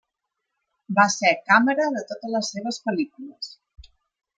Va ser càmera de totes les seves pel·lícules.